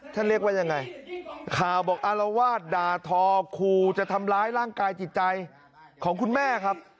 เรียกว่ายังไงข่าวบอกอารวาสด่าทอคู่จะทำร้ายร่างกายจิตใจของคุณแม่ครับ